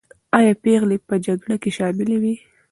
آیا پېغلې په جګړه کې شاملي وې؟